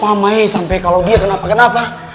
ramai sampai kalau dia kenapa kenapa